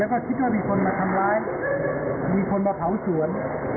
แล้วก็คิดว่ามีคนมาทำร้ายมีคนมาเผาสวน